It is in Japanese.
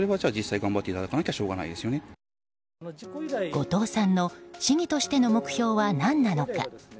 後藤さんの市議としての目標は何なのか。